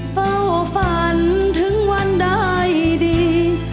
เฝ้าฝันถึงวันได้ดี